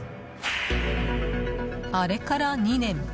あれから２年。